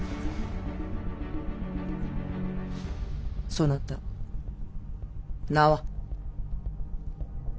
そなた名は。